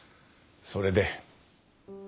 それで？